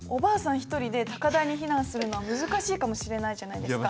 一人で高台に避難するのは難しいかもしれないじゃないですか。